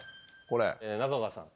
中川さん。